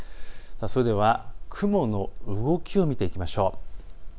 それでは雲の動きを見ていきましょう。